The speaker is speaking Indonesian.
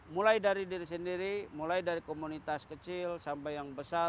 mulai dari diri sendiri mulai dari komunitas kecil sampai yang besar